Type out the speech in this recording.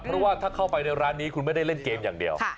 เพราะว่าถ้าเข้าไปในร้านนี้คุณไม่ได้เล่นเกมอย่างเดียว